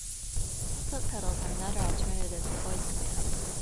Foot pedals are another alternative to voice commands.